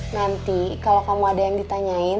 nanti kalau kamu ada yang ditanyain